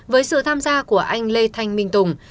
với sự tham gia của anh lê thanh minh tùng